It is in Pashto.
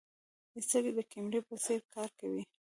سترګې د کیمرې په څېر کار کوي.